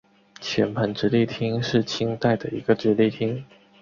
黔彭直隶厅是清代的一个直隶厅。